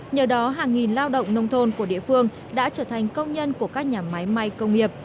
nhờ đó hàng nghìn lao động nông thôn của địa phương đã trở thành công nhân của các nhà máy may công nghiệp